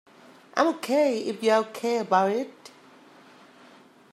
I'm OK if you're OK about it.